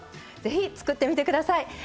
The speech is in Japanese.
是非作ってみてください。